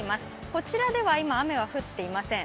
こちらでは今、雨は降っていません